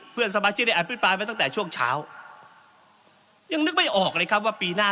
เพื่อนสมาชิกได้อภิปรายมาตั้งแต่ช่วงเช้ายังนึกไม่ออกเลยครับว่าปีหน้า